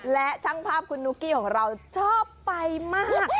และช่างภาพคุณนุ๊กกี้ของเราชอบไปมาก